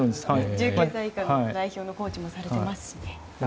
１９歳以下の代表のコーチもされていますし。